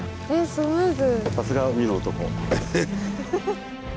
スムーズ。